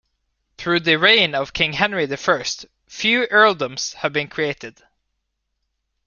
Through the reign of King Henry the First few earldoms had been created.